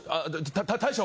たっ大将！